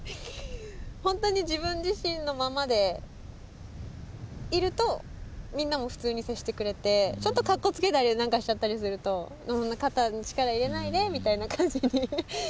ほんとに自分自身のままでいるとみんなも普通に接してくれてちょっと格好つけたりなんかしちゃったりすると「そんな肩に力入れないで」みたいな感じに。